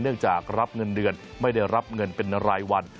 จากรับเงินเดือนไม่ได้รับเงินเป็นรายวัน